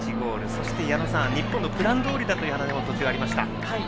そして、矢野さんからは日本のプランどおりだという話が途中ありました。